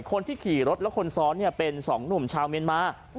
คนที่ขี่รถและคนซ้อนเป็นสองหนุ่มชาวเมียนมา